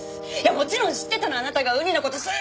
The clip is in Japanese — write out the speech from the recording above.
もちろん知ってたのあなたがウニの事すー